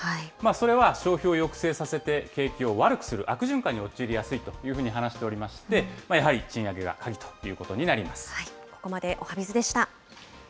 それは消費を抑制させて景気を悪くする悪循環に陥りやすいというふうに話しておりまして、やはり賃上げが鍵ということになります。